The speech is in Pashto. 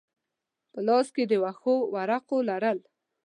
په لاس کې د ښو ورقو لرل.